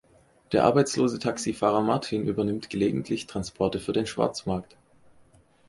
Der arbeitslose Taxifahrer Martin übernimmt gelegentlich Transporte für den Schwarzmarkt.